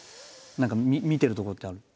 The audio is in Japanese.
何か見てるところってあるの？